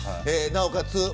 なおかつ